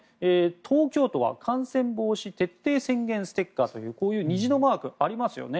東京都は感染防止徹底宣言ステッカーというこういう虹のマークありますよね。